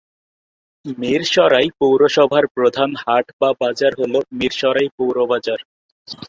মীরসরাই পৌরসভার প্রধান হাট/বাজার হল মীরসরাই পৌর বাজার।